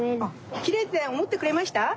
きれいっておもってくれました？